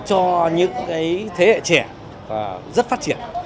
cho những thế hệ trẻ rất phát triển